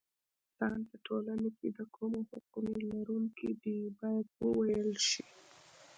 انسان په ټولنه کې د کومو حقونو لرونکی دی باید وویل شي.